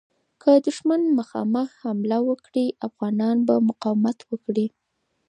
که دښمن مخامخ حمله وکړي، افغانان به مقاومت وکړي.